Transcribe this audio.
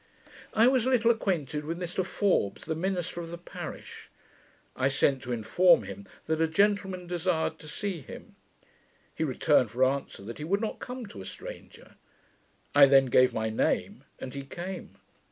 I was a little acquainted with Mr Forbes, the minister of the parish. I sent to inform him that a gentleman desired to see him. He returned for answer, 'that he would not come to a stranger'. I then gave my name, and he came.